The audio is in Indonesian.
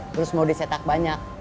terus mau disetak banyak